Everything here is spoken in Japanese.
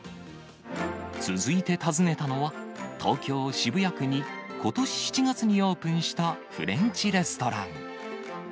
続いて訪ねたのは、東京・渋谷区にことし７月にオープンしたフレンチレストラン。